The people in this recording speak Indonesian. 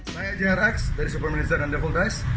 saya j r x dari superminister dan devil dice